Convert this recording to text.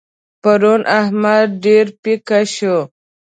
پرون احمد ډېر پيکه شو.